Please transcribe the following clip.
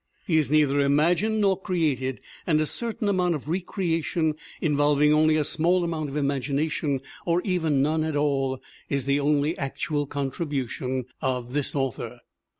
He is neither imagined nor created and a certain amount of re creation involving only a small amount of imag ination, or even none at all, is the only actual contri bution of his author.